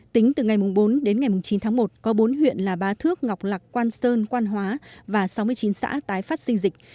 tính từ ngày bốn đến ngày chín tháng một có bốn huyện là bá thước ngọc lạc quan sơn quan hóa và sáu mươi chín xã tái phát sinh dịch